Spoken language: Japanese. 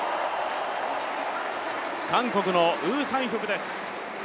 韓国のウ・サンヒョクです。